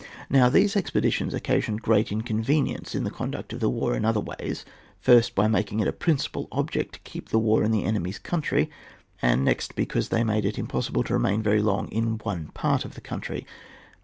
Now these expeditions occasioned great inconvenience in the conduct of war in other ways, first by making it a principal object to keep the war in the enemy's country ; and next because they made it impossible to remain very long in one part of the country.